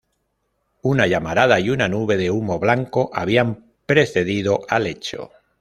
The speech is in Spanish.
Una llamarada y una nube de humo blanco habían precedido al hecho.